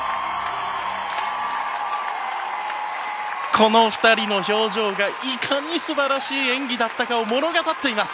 この２人の表情がいかに素晴らしい演技だったかを物語っています！